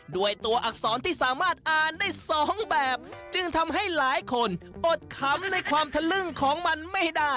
ด้วยตัวอักษรที่สามารถอ่านได้สองแบบจึงทำให้หลายคนอดขำในความทะลึ่งของมันไม่ได้